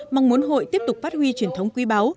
mong muốn hội tiếp tục phát huy truyền thống quý báu